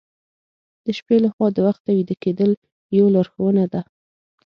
د شپې له خوا د وخته ویده کیدل یو لارښوونه ده.